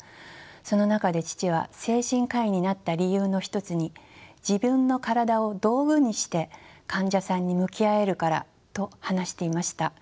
その中で父は精神科医になった理由の一つに自分の体を道具にして患者さんに向き合えるからと話していました。